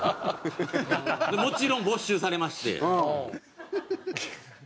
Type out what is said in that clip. もちろん没収されまして。